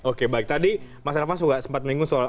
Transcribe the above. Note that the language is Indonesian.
oke baik tadi mas raffas juga sempat minggu soal